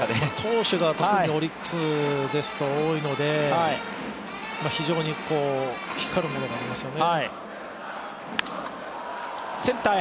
投手が特にオリックスですと多いので、非常に光るものがありますよね。